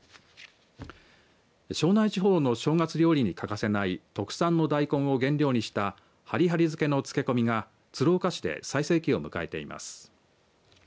庄内地方の正月料理に欠かせない特産の大根を原料にしたはりはり漬けの漬け込みが鶴岡市で最盛期を迎えています。